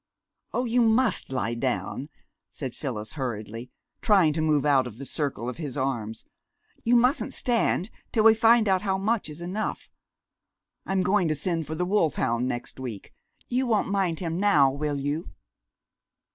"Oh, you must lie down," said Phyllis hurriedly, trying to move out of the circle of his arms. "You mustn't stand till we find how much is enough.... I'm going to send for the wolfhound next week. You won't mind him now, will you?"